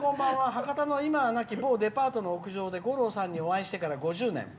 博多の某デパートの上で五郎さんにお会いしてから５０年。